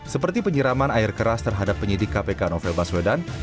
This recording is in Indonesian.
seperti penyiraman air keras terhadap penyidik kpk novel baswedan